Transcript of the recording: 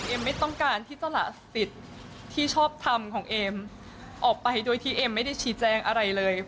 ไม่ต้องการที่จะละสิทธิ์ที่ชอบทำของเอมออกไปโดยที่เอมไม่ได้ชี้แจงอะไรเลย